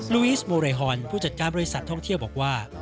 ูอีสโมเรฮอนผู้จัดการบริษัทท่องเที่ยวบอกว่า